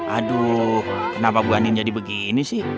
aduh kenapa bu ani jadi begini sih